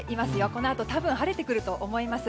このあと多分、晴れてくると思います。